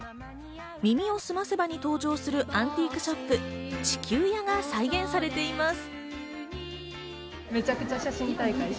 『耳をすませば』に登場するアンティークショップ・地球屋が再現されています。